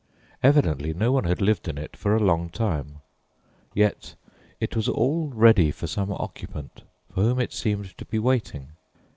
Evidently no one had lived in it for a long time. Yet it was all ready for some occupant, for whom it seemed to be waiting.